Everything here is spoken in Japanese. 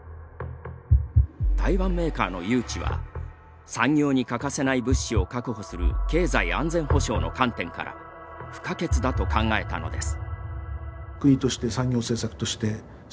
台湾メーカーの誘致は産業に欠かせない物資を確保する経済安全保障の観点から不可欠だと考えたのです。